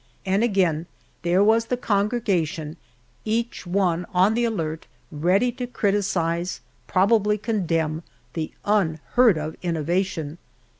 And again, there was the congregation, each one on the alert, ready to criticise, probably condemn, the unheard of innovation!